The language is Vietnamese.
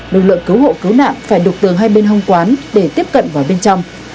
lực lượng cứu hộ cứu nạn phải đục tường hai bên hông quán để tiếp cận vào bên trong